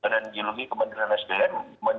dan jeluhi kementerian sdn